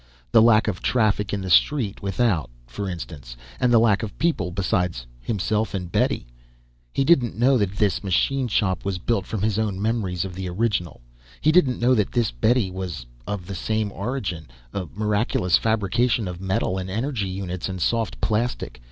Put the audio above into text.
The lack of traffic in the street without, for instance and the lack of people besides himself and Betty. He didn't know that this machine shop was built from his own memories of the original. He didn't know that this Betty was of the same origin a miraculous fabrication of metal and energy units and soft plastic.